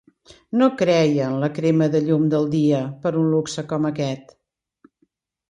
No creia en la crema de llum del dia per un luxe com aquest.